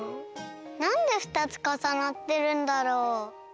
なんで２つかさなってるんだろう？